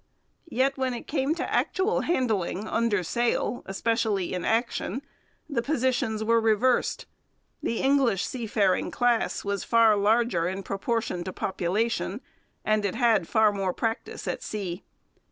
Yet when it came to actual handling under sail, especially in action, the positions were reversed. The English seafaring class was far larger in proportion to population and it had far more practice at sea.